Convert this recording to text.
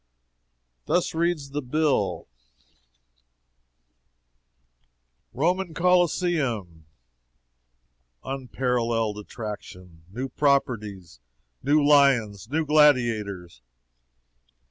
Thus reads the bill: ROMAN COLISEUM. UNPARALLELED ATTRACTION! NEW PROPERTIES! NEW LIONS! NEW GLADIATORS!